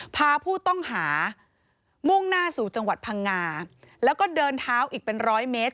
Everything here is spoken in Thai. พาผู้ต้องหามุ่งหน้าสู่จังหวัดพังงาแล้วก็เดินเท้าอีกเป็นร้อยเมตร